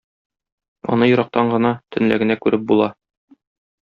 Аны ерактан гына, төнлә генә күреп була.